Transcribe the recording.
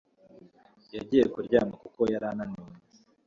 Yagiye kuryama kuko yari ananiwe